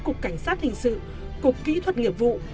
cục cảnh sát hình sự cục kỹ thuật nghiệp vụ